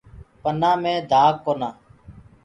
پنآ مي دآگ ڪونآ۔